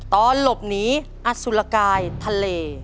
ตอนหลบหนีอสุรกายทะเล